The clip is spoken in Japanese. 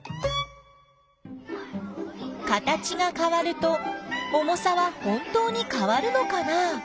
形がかわると重さは本当にかわるのかな？